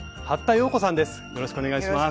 よろしくお願いします。